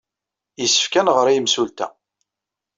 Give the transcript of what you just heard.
Yessefk ad nɣer i yemsulta.